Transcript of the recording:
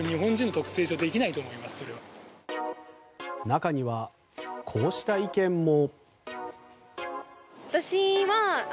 中にはこうした意見も。